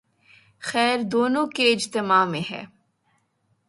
خیر دونوں کے اجتماع میں ہے۔